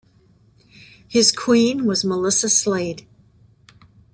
His Queen was Melissa Slade.